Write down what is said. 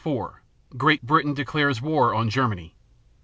4 Great Britain declares war on Germany.